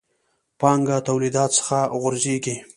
پانګه توليديت څخه غورځېږي.